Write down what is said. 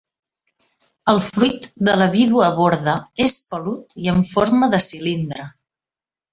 El fruit de la vídua borda és pelut i amb forma de cilindre.